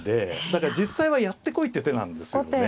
だから実際はやってこいって手なんですよね。